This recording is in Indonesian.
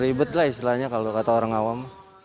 ribet lah istilahnya kalau kata orang awam